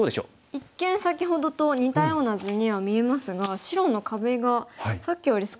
一見先ほどと似たような図には見えますが白の壁がさっきより少し隙間が空いてますね。